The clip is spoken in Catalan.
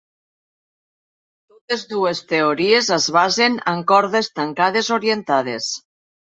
Totes dues teories es basen en cordes tancades orientades.